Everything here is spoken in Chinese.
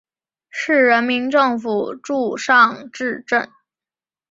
市人民政府驻尚志镇。